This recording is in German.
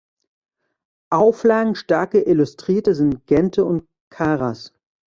Auflagenstarke Illustrierte sind "Gente" und "Caras".